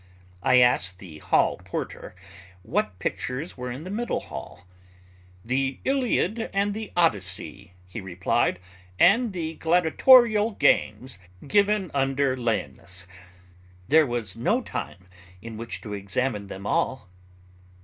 I asked the hall porter what pictures were in the middle hall. "The Iliad and the Odyssey," he replied, "and the gladiatorial games given under Laenas." There was no time in which to examine them all.